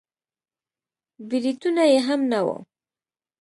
برېتونه يې هم نه وو.